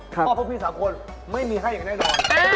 เพราะพวกพี่๓คนไม่มีให้อย่างแน่นอน